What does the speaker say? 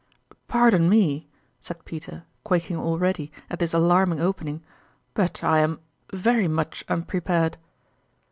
" Pardon me," said Peter, quaking already at this alarming opening, " but I am very much unprepared."